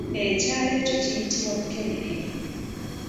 Ekyalo ekyo kiyitibwa Bukeerere.